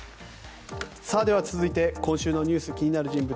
続いて今週のニュース気になる人物